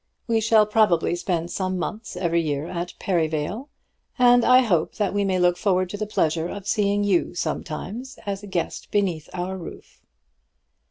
We shall probably spend some months every year at Perivale, and I hope that we may look forward to the pleasure of seeing you sometimes as a guest beneath our roof.